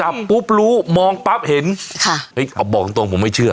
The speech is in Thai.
จับปุ๊บรู้มองปั๊บเห็นเอาบอกตรงผมไม่เชื่อ